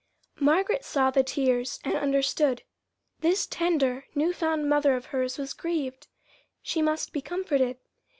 Margaret saw the tears, and understood this tender, new found mother of hers was grieved; she must be comforted.